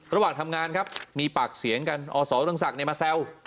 ระหว่างทำงานครับมีปากเสียงกันอสเรืองศักดิ์มาแซว